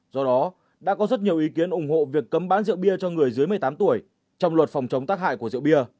do đó đã có rất nhiều ý kiến ủng hộ việc cấm bán rượu bia cho người dưới một mươi tám tuổi trong luật phòng chống tác hại của rượu bia